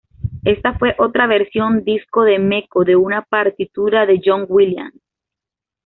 Ésta fue otra versión disco de Meco de una partitura de John Williams.